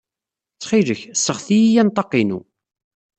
Ttxil-k, sseɣti-iyi anṭaq-inu.